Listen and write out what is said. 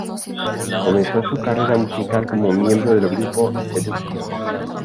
Comenzó su carrera musical como miembro del grupo Seduction.